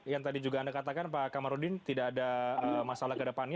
yang tadi juga anda katakan pak kamarudin tidak ada masalah ke depannya